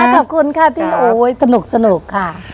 ขอบคุณค่ะพี่โอ๊ยสนุกค่ะ